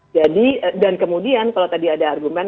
jadi dan kemudian kalau tadi ada argumen